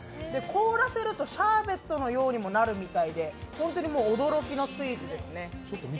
凍らせるとシャーベットのようにもなるみたいで本当にもう驚きのスイーツですね。